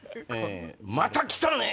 「また来たね！」